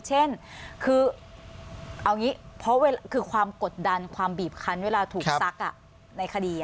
เช่นคือความกดดันความบีบคันเวลาถูกซักในคดี